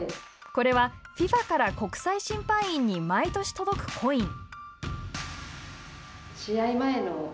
これは、ＦＩＦＡから国際審判員に毎年届くコイン。